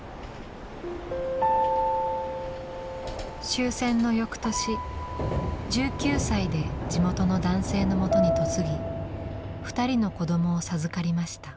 終戦の翌年１９歳で地元の男性のもとに嫁ぎ２人の子どもを授かりました。